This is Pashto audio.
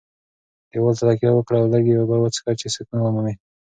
دېوال ته تکیه وکړه او لږې اوبه وڅښه چې سکون ومومې.